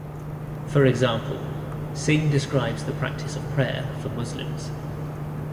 For example, Singh describes the practice of prayer for Muslims.